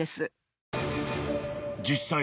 ［実際］